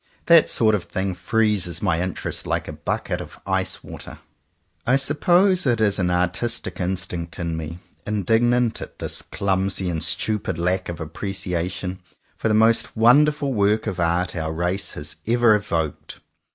That sort of thing freezes my interest like a bucket of ice water. I suppose it is the artistic instinct in me, indignant at this clumsy and stupid lack of appreciation for the most wonderful work of art our race has ever evoked.